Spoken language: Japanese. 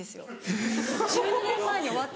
・えっ・１２年前に終わった。